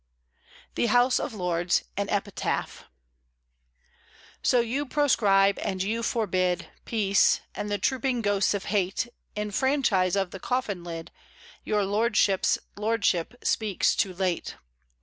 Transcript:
THE HOUSE OF LORDS: AN EPITAPH So you proscribe, and you forbid Peace, and the trooping ghosts of hate Enfranchise of the coffin lid Your lordships' lordship speaks too late.